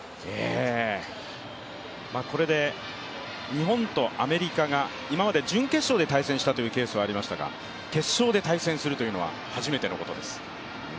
これで日本とアメリカが今まで準決勝で対戦したというケースはありましたが決勝で対戦するというのは初めてのことです。